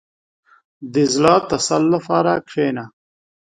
• د زړه د تسل لپاره کښېنه.